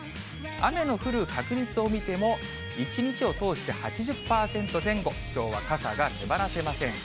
雨の降る確率を見ても、一日を通して８０％前後、きょうは傘が手離せません。